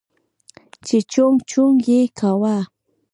چې چونگ چونگ يې کاوه.